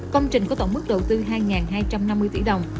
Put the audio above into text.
công trình có tổng mức đầu tư hai hai trăm năm mươi tỷ đồng